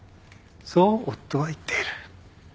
そう夫は言っている。